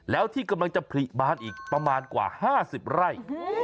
แล้วที่กำลังจะผลิบานอีกประมาณกว่า๕๐ไร่